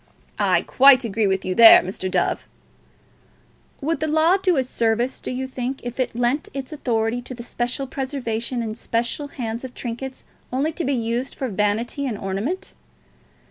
"I quite agree with you there, Mr. Dove." "Would the Law do a service, do you think, if it lent its authority to the special preservation in special hands of trinkets only to be used for vanity and ornament?